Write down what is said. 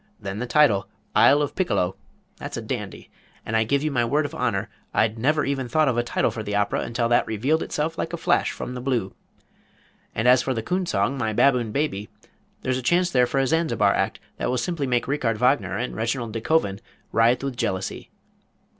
Then the title Isle of Piccolo that's a dandy and I give you my word of honor I'd never even thought of a title for the opera until that revealed itself like a flash from the blue; and as for the coon song, 'My Baboon Baby,' there's a chance there for a Zanzibar act that will simply make Richard Wagner and Reginald De Koven writhe with jealousy.